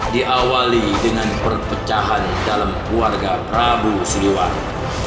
diawali dengan perpecahan dalam keluarga prabu siliwangi